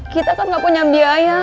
kita kan gak punya biaya